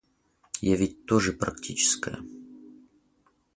Я ведь тоже практическая.